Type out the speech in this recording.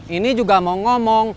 ini juga mau ngomong